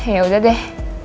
ya udah deh